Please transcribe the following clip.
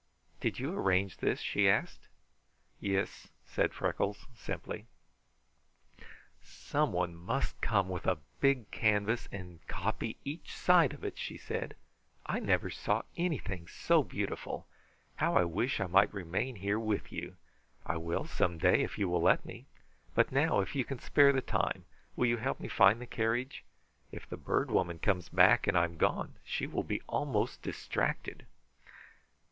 "Did you arrange this?" she asked. "Yis," said Freckles simply. "Someone must come with a big canvas and copy each side of it," she said. "I never saw anything so beautiful! How I wish I might remain here with you! I will, some day, if you will let me; but now, if you can spare the time, will you help me find the carriage? If the Bird Woman comes back and I am gone, she will be almost distracted."